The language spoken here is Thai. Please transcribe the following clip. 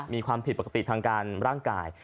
มีความผิดปกติทางการร่างกาย